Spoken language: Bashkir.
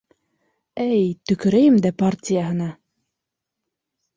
Әй, төкөрәйем дә партияһына!